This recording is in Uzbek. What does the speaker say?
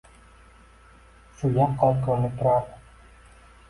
Shu yaqqol ko‘rinib turardi.